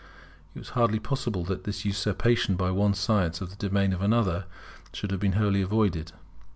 It was hardly possible that this usurpation by one science of the domain of another should have been wholly avoided.